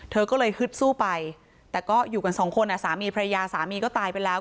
เธอก็เลยฮึดสู้ไปแต่ก็อยู่กันสองคนอ่ะสามีพระยาสามีก็ตายไปแล้ว